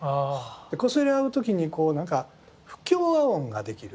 こすれ合う時にこうなんか不協和音ができると。